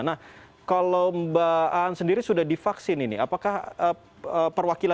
nah kalau mbak aan sendiri sudah divaksin ini apakah perwakilan